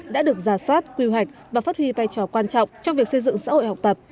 đã được giả soát quy hoạch và phát huy vai trò quan trọng trong việc xây dựng xã hội học tập